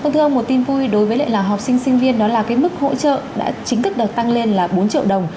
vâng thưa ông một tin vui đối với lại là học sinh sinh viên đó là cái mức hỗ trợ đã chính thức được tăng lên là bốn triệu đồng